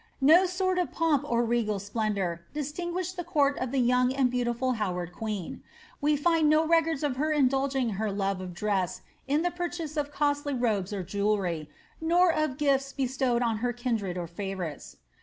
« No sort of pomp or regal splendour distinguished the court of tbe young and beautiful Howard queen. We find no records of her indilg* ing her love of dress in the purchase of costly robes or jewelleiy, oor of gifts bestowed on her kindred or favourites.